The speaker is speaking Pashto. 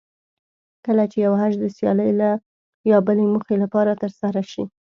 کله چې یو حج د سیالۍ یا بلې موخې لپاره ترسره شي.